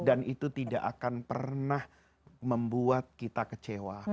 itu tidak akan pernah membuat kita kecewa